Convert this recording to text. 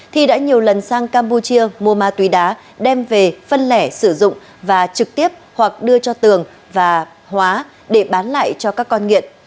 thi đã nhiều lần sang campuchia mua ma túy đá đem về phân lẻ sử dụng và trực tiếp hoặc đưa cho tường và hóa để bán lại cho các con nghiện